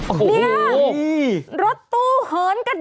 โอ้โฮดีนี่ค่ะรถตู้เหินกระดาน